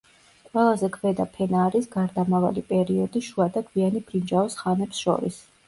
ყველაზე ქვედა ფენა არის გარდამავალი პერიოდი შუა და გვიანი ბრინჯაოს ხანებს შორის.